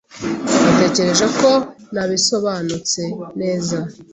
Natekereje ko nabisobanutse neza.